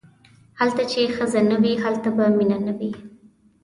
هلته چې ښځه نه وي هلته به مینه نه وي.